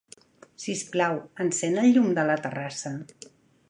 Sisplau, encén el llum de la terrassa.